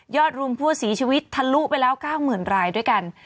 รวมผู้เสียชีวิตทะลุไปแล้ว๙๐๐รายด้วยกัน